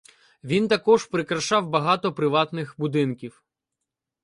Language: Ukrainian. Він також прикрашав багато приватних будинків.